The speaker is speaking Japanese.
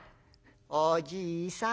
「おじいさん